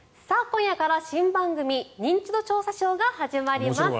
今夜から新番組「ニンチド調査ショー」が始まります。